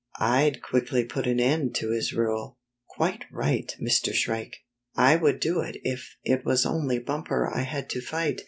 I'd quickly put an end to his rule." "Quite right, Mr. Shrike. I would do it if it was only Bumper I had to fight.